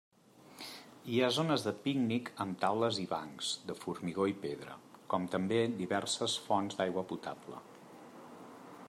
Hi ha zones de pícnic amb taules i bancs de formigó i pedra, com també diverses fonts d'aigua potable.